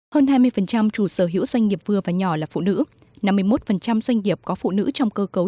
hơn hai mươi chủ sở hữu doanh nghiệp vừa và nhỏ là phụ nữ năm mươi một doanh nghiệp có phụ nữ trong cơ cấu